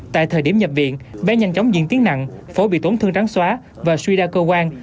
tại thời điểm nhập viện bé nhanh chóng diễn tiến nặng phổi bị tổn thương trắng xóa và suy đa cơ quan